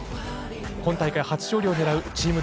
今大会初勝利をねらうチーム